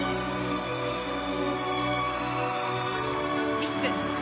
リスク。